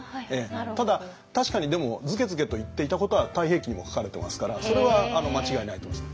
ただ確かにでもズケズケと言っていたことは「太平記」にも書かれてますからそれは間違いないと思います。